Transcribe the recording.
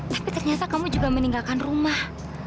tapi ternyata kamu juga meninggalkan rumah